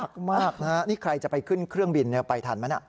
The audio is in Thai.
มากนะฮะนี่ใครจะไปขึ้นเครื่องบินไปทันไหมน่ะ